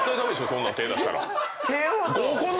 そんなん手ぇ出したら。